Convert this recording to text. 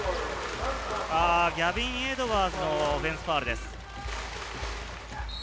ギャビン・エドワーズのオフェンスファウルです。